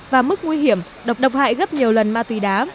và mức nguy hiểm độc hại gấp nhiều lần ma túy đá